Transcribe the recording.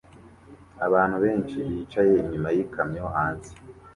Abantu benshi bicaye inyuma yikamyo hanze